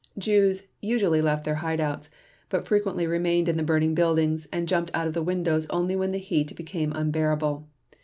Jews usually left their hideouts, but frequently remained in the burning buildings, and jumped out of the windows only when the heat became unbearable.